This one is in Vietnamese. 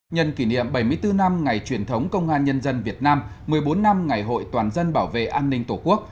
nhân kỷ niệm bảy mươi bốn năm ngày truyền thống công an nhân dân việt nam một mươi bốn năm ngày hội toàn dân bảo vệ an ninh tổ quốc